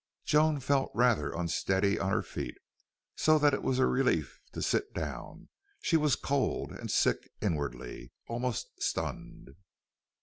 Joan felt rather unsteady on her feet, so that it was a relief to sit down. She was cold and sick inwardly, almost stunned.